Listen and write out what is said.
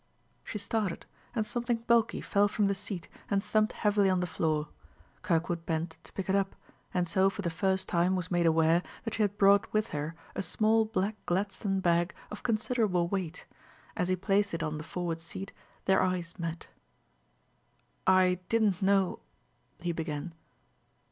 She started, and something bulky fell from the seat and thumped heavily on the floor. Kirkwood bent to pick it up, and so for the first time was made aware that she had brought with her a small black gladstone bag of considerable weight. As he placed it on the forward seat their eyes met. "I didn't know " he began.